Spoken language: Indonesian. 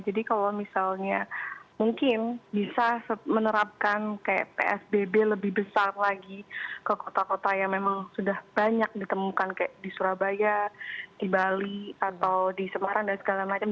jadi kalau misalnya mungkin bisa menerapkan kayak psbb lebih besar lagi ke kota kota yang memang sudah banyak ditemukan kayak di surabaya di bali atau di semarang dan segala macam